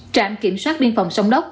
trạm kiểm soát biên phòng sông đốc